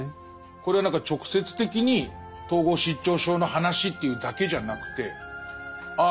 これは何か直接的に統合失調症の話というだけじゃなくてああ